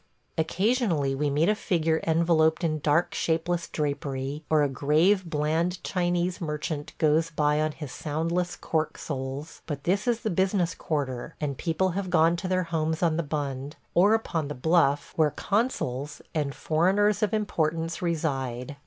Occasionally we meet a figure enveloped in dark, shapeless drapery, or a grave, bland Chinese merchant goes by on his soundless cork soles, but this is the business quarter, and people have gone to their homes on the Bund, or upon the Bluff, where consuls and foreigners of importance reside.